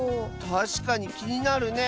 たしかにきになるね。